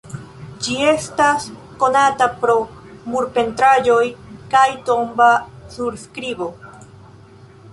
Ĝi estas konata pro murpentraĵoj kaj tomba surskribo.